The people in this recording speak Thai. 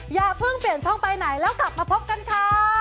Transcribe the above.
อย่าเพิ่งเปลี่ยนช่องไปไหนแล้วกลับมาพบกันค่ะ